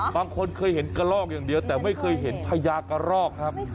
บางคนเคยเห็นกระลอกอย่างเดียวแต่ไม่เคยเห็นพญากระรอกครับ